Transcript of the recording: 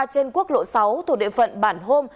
trên quốc lộ sáu thủ địa phận bản hôm